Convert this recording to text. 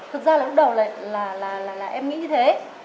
thực ra lúc đầu là em nghĩ như thế